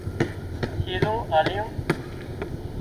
شيزُون آليون